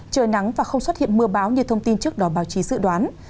trời nắng và không xuất hiện mưa báo như thông tin trước đó báo chí dự đoán